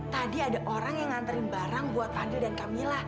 tadi ada orang yang nganterin barang buat anda dan camilla